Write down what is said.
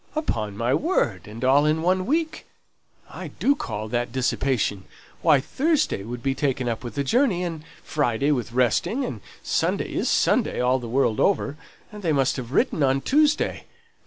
"Upon my word! and all in one week? I do call that dissipation. Why, Thursday would be taken up with the journey, and Friday with resting, and Sunday is Sunday all the world over; and they must have written on Tuesday.